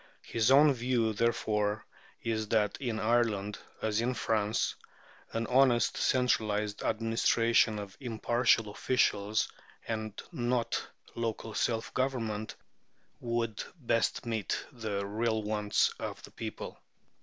His own view, therefore, is "that in Ireland, as in France, an honest, centralized administration of impartial officials, and not local self government, would best meet the real wants of the people."